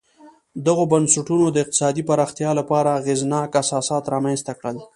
دغو بنسټونو د اقتصادي پراختیا لپاره اغېزناک اساسات رامنځته کړل